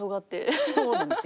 そうなんです